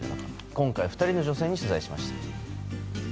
今回２人の女性に取材しました。